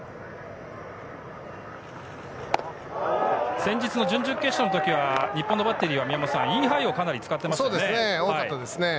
先日の準々決勝の時は日本のバッテリーはインハイをかなり使って多かったですね。